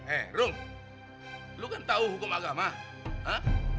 eh rung lo kan tau hukum agama ha